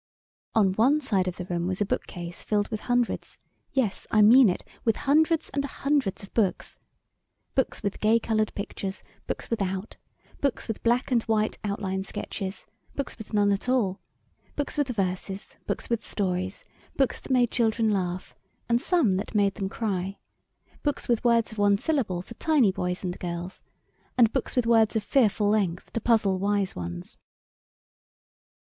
On one side of the room was a bookcase filled with hundreds yes, I mean it with hundreds and hundreds of books; books with gay colored pictures, books without; books with black and white outline sketches, books with none at all; books with verses, books with stories, books that made children laugh, and some that made them cry; books with words of one syllable for tiny boys and girls, and books with words of fearful length to puzzle wise ones.